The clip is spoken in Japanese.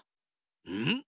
うん？